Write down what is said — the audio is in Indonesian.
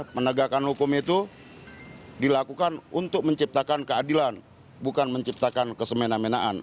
menegakkan hukum itu dilakukan untuk menciptakan keadilan bukan menciptakan kesemenamenaan